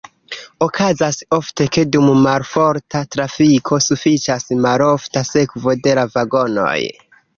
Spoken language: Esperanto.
Okazas ofte, ke dum malforta trafiko sufiĉas malofta sekvo de la vagonoj.